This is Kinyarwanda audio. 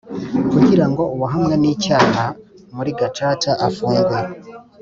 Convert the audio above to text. kugira ngo uwahamwe n icyaha muri Gacaca afungwe